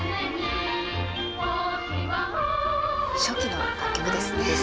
初期の楽曲ですね。